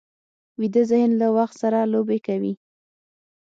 ویده ذهن له وخت سره لوبې کوي